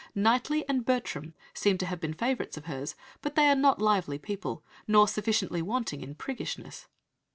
Knightley and Bertram seem to have been favourites of hers, but they are not lively people, nor sufficiently wanting in priggishness.